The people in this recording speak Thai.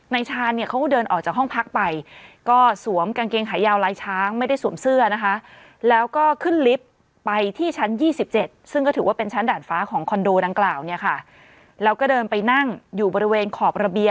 ในชานเนี่ยเขาก็เดินออกจากห้องพักไป